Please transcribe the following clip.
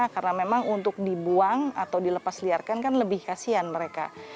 karena memang untuk dibuang atau dilepasliarkan kan lebih kasihan mereka